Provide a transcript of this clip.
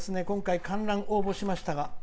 今回、観覧応募しましたが」。